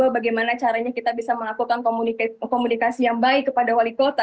bagaimana caranya kita bisa melakukan komunikasi yang baik kepada wali kota